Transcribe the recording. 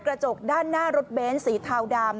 กระจกด้านหน้ารถเบ้นสีเทาดำ